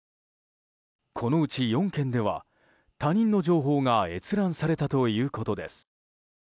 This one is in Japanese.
このうち４件では他人の情報が閲覧されたということです。